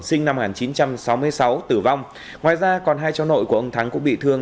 sinh năm một nghìn chín trăm sáu mươi sáu tử vong ngoài ra còn hai cháu nội của ông thắng cũng bị thương